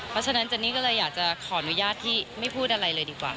เพราะฉะนั้นเจนนี่ก็เลยอยากจะขออนุญาตที่ไม่พูดอะไรเลยดีกว่า